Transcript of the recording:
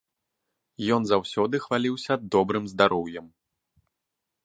Ён заўсёды хваліўся добрым здароўем.